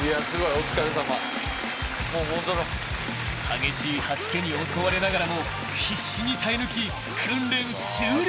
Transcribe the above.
［激しい吐き気に襲われながらも必死に耐え抜き訓練終了］